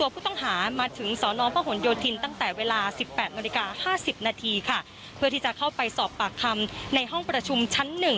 เพื่อที่จะเข้าไปสอบปากคำในห้องประชุมชั้น๑